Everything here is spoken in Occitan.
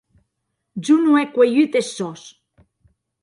Jo non è cuelhut es sòs!